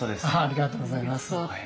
ありがとうございます。